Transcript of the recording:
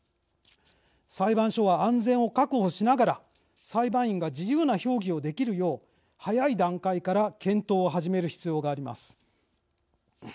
裁判所は安全を確保しながら裁判員が自由な評議を出来るよう早い段階から検討を始める必要があります。